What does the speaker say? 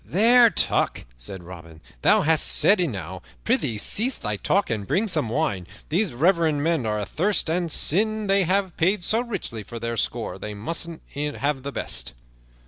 "There, Tuck," said Robin, "thou hast said enow. Prythee, cease thy talk and bring some wine. These reverend men are athirst, and sin' they have paid so richly for their score they must e'en have the best."